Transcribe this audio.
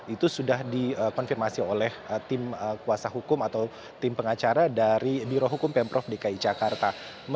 itu sudah dikonfirmasi oleh tim kuasa hukum atau tim pengacara dari birohukum pemprov dki jakarta